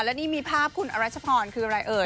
และนี่มีภาพคุณอรัชพรคืออะไรเอ่ย